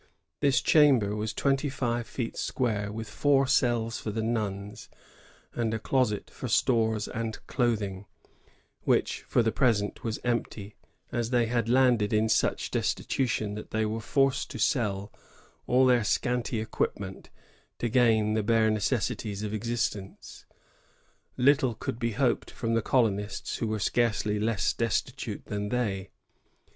This chamber was twenty five feet square, with four cells for the nuns, and a closet for stbres and clothing, which for the present was empty, as they had landed in such destitution that they were forced to sell all their scanty equipment to gain the bare necessaries of existence. Little could be hoped from the colonists, who were scarcely less destitute than they.